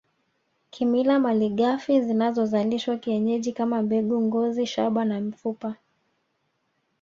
Kimila malighafi zinazozalishwa kienyeji kama mbegu ngozi shaba na mfupa